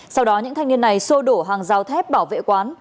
sau đó những thanh niên này xô đổ hàng rào thép bảo vệ quán